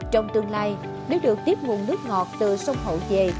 trong tương lai nếu được tiếp nguồn nước ngọt từ sông hậu về